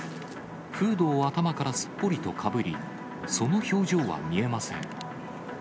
フードを頭からすっぽりとかぶり、その表情は見えません。